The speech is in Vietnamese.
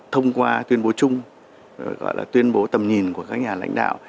thông qua tuyên bố chung gọi là tuyên bố tầm nhìn của các nhà lãnh đạo